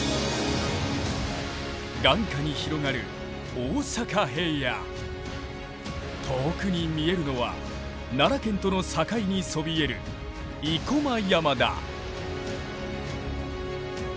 眼下に広がる遠くに見えるのは奈良県との境にそびえる生駒山だ。